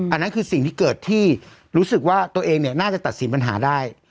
อันนั้นคือสิ่งที่เกิดที่รู้สึกว่าตัวเองเนี่ยน่าจะตัดสินปัญหาได้